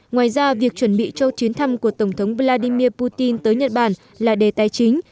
ngoài ra việc chuẩn bị cho chuyến thăm của tổng thống vladimir putin tới nhật bản là đề tài chính